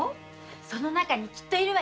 その中にきっと居るわ。